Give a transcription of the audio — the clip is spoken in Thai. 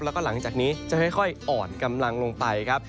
แล้วก็หลังจากนี้จะค่อยอ่อนกำลังลงไปครับ